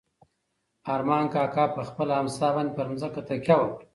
ارمان کاکا په خپله امسا باندې پر ځمکه تکیه وکړه.